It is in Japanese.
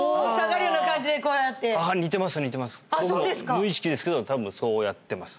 無意識ですけど多分そうやってます